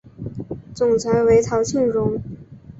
总裁为陶庆荣。